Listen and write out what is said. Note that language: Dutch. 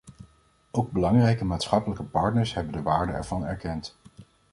Ook belangrijke maatschappelijke partners hebben de waarde ervan erkend.